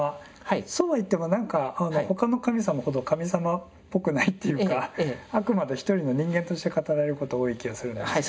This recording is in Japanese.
そうは言っても何か他の神様ほど神様っぽくないっていうかあくまで一人の人間として語られること多い気がするんですけど。